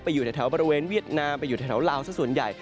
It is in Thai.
ไปอยู่ที่แถวบริเวณเวียดนาลาวสักส่วนใหญ่